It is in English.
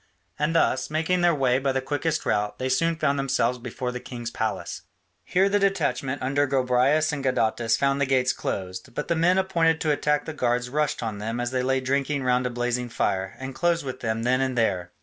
And thus, making their way by the quickest route, they soon found themselves before the king's palace. Here the detachment under Gobryas and Gadatas found the gates closed, but the men appointed to attack the guards rushed on them as they lay drinking round a blazing fire, and closed with them then and there.